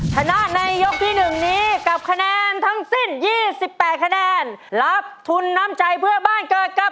ถ้า๓๐คะแนน